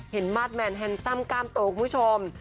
เห็นมาสแมนแฮนซัมกล้ามตัวของคุณผู้ชม